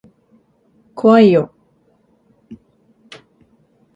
怖いよ。